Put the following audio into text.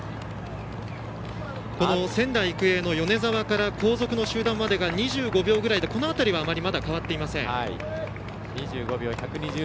仙台育英の米澤から後続の集団までが２５秒ぐらいで、この辺りはあまり変わっていません。